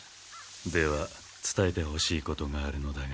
ではつたえてほしいことがあるのだが。